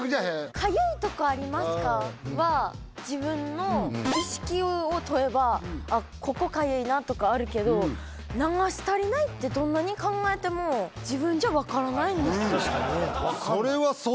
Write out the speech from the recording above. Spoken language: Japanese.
「かゆいとこありますか？」は自分の意識を問えばあっここかゆいなとかあるけど「流し足りない」ってどんなに考えても自分じゃ分からないんですよ